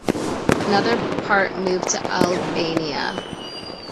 Another part moved to Albania.